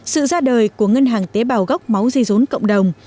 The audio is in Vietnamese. sự ra đời của ngân hàng tế bào gốc máu di dốn cộng đồng